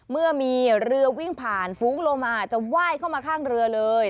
เมื่อมีเรือวิ่งผ่านฟุ้งลงมาอาจจะไหว้เข้ามาข้างเรือเลย